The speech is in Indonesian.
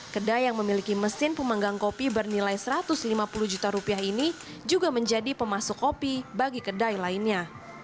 kedai yang memiliki mesin pemanggang kopi bernilai satu ratus lima puluh juta rupiah ini juga menjadi pemasuk kopi bagi kedai lainnya